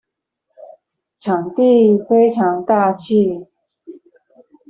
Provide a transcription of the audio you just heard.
場地非常大氣